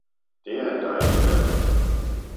det er en dejlig alder!